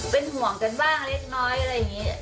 เป็นห่วงกันบ้างเล็กน้อยอะไรอย่างนี้